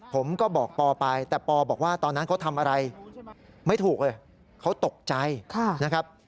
ผมก็บอกปอไปแต่ปอบอกว่าตอนนั้นเขาทำอะไรไม่ถูกเลยเขาตกใจนะครับ